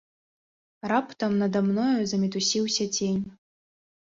Раптам нада мною замітусіўся цень.